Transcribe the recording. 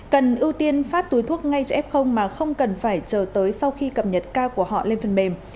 cần ưu tiên phát túi thuốc ngay cho f mà không cần phải chờ tới sau khi cập nhật ca của họ lên phần mềm